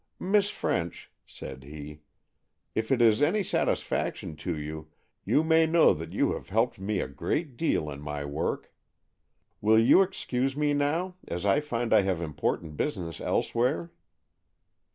"Miss French," said he, "if it is any satisfaction to you, you may know that you have helped me a great deal in my work. Will you excuse me now, as I find I have important business elsewhere?"